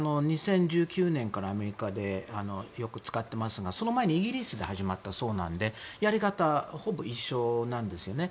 ２０１９年からアメリカでよく使ってますがその前にイギリスで始まったそうなのでやり方はほぼ一緒なんですよね。